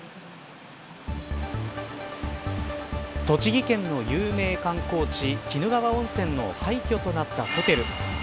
栃木県の有名観光地鬼怒川温泉の廃虚となったホテル。